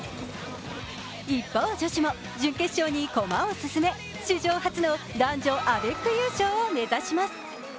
一方、女子も準決勝に駒を進め、史上初の男女アベック優勝を目指します。